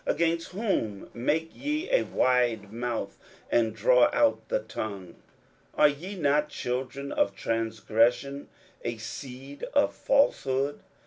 against whom make ye a wide mouth, and draw out the tongue? are ye not children of transgression, a seed of falsehood.